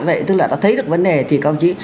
vậy tức là nó thấy được vấn đề thì các đồng chí